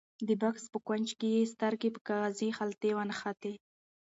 د بکس په کونج کې یې سترګې په کاغذي خلطې ونښتې.